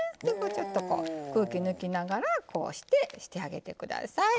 ちょっとこう空気抜きながらこうしてしてあげて下さい。